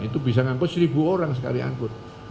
itu bisa ngangkut seribu orang sekali angkut